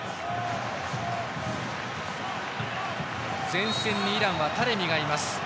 前線にイランはタレミがいます。